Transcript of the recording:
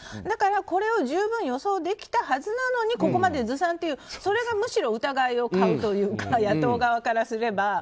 だから、これを十分予想できたはずなのにここまでずさんというそれがむしろ疑いを買うというか野党側からすれば。